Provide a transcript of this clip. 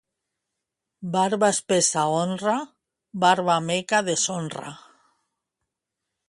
Barba espessa honra, barba meca deshonra.